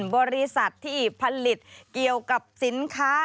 บริษัทที่ผลิตเกี่ยวกับสินค้า